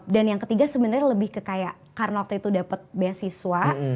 dan yang ketiga sebenernya lebih ke kayak karena waktu itu dapet beasiswa